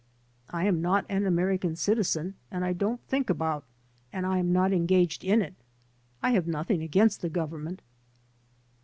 "I am not an American citizen and I don't think about and I am not engaged in it I have nothing against the Gov ernment."